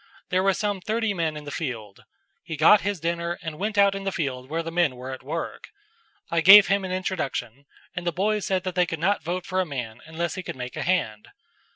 There were some thirty men in the field. He got his dinner and went out in the field where the men were at work. I gave him an introduction, and the boys said that they could not vote for a man unless he could make a hand.